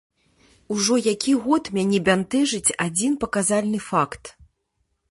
Ужо які год мяне бянтэжыць адзін паказальны факт.